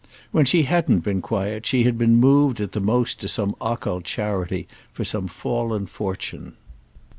When she hadn't been quiet she had been moved at the most to some occult charity for some fallen fortune.